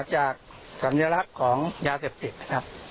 จากสัญลักษณ์ของยาเสพติดนะครับ